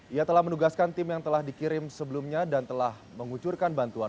ia telah menugaskan tim yang telah dikirim sebelumnya dan telah mengucurkan bantuan